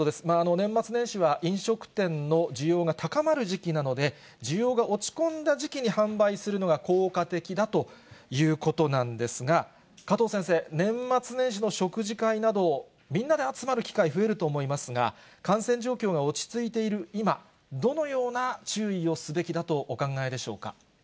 年末年始は飲食店の需要が高まる時期なので、需要が落ち込んだ時期に販売するのが効果的だということなんですが、加藤先生、年末年始の食事会など、みんなで集まる機会、増えると思いますが、感染状況が落ち着いている今、どのような注意をすべきだとお考えでしょうか。